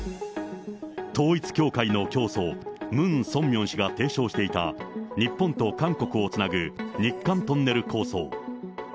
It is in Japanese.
統一教会の教祖、ムン・ソンミョン氏が提唱していた、日本と韓国をつなぐ日韓トンネル構想。